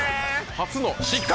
初の失格！